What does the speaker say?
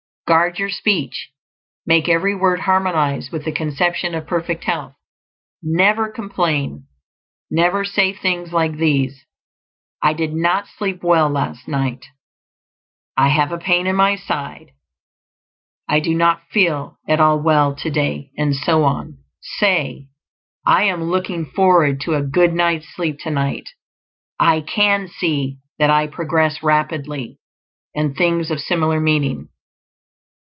Guard your speech; make every word harmonize with the conception of perfect health. Never complain; never say things like these: "I did not sleep well last night;" "I have a pain in my side;" "I do not feel at all well to day," and so on. Say "I am looking forward to a good night's sleep to night;" "I can see that I progress rapidly," and things of similar meaning.